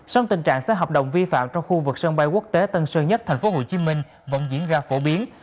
sông tình trạng xe hợp đồng vi phạm trong khu vực sân bay quốc tế tân sơn nhất tp hcm vẫn diễn ra phổ biến